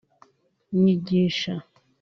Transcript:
Nyigisha